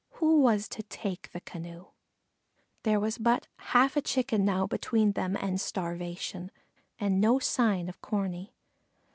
Who was to take the canoe? There was but half a Chicken now between them and starvation, and no sign of Corney.